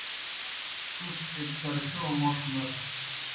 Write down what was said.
تُس ایْک طرفِیؤ موْݜ نتھہ۔